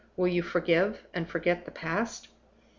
Will you forgive and forget the past?"